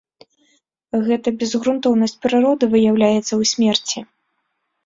Гэта безгрунтоўнасць прыроды выяўляецца ў смерці.